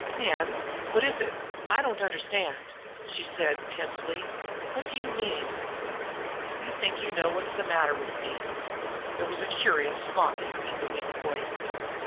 "Nan, what is it? I don't understand!" she said tensely. "What do you mean?" "You think you know what's the matter with me." There was a curious mockery in the weak voice.